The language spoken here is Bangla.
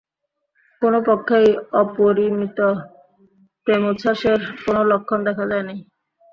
কোনো পক্ষেই অপরিমিত প্রেমোচ্ছ্বাসের কোনো লক্ষণ দেখা যায় নাই।